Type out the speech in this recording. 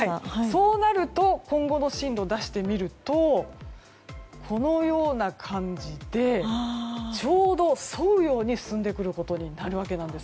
そうなると今後の進路を出してみるとこのような感じでちょうど沿うように進んでくることになるわけなんです。